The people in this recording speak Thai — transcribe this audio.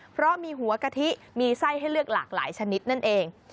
เพราะมีหัวกะทิมีไส้ให้เลือกหลากหลายชนิดนั่นเอง